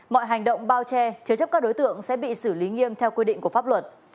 mọi hành động bao che chứa chấp các đối tượng sẽ bị xử lý nghiêm theo quy định của pháp luật